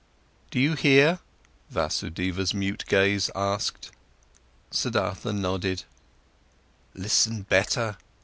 "Do you hear?" Vasudeva's mute gaze asked. Siddhartha nodded. "Listen better!"